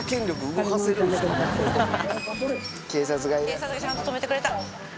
警察がちゃんと止めてくれた。